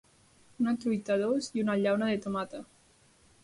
Una truita d'ous i una llauna de tomàquet.